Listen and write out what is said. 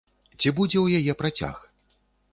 Ці будзе ў яе працяг?